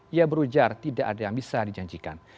ia berujar tidak ada yang bisa dijanjikan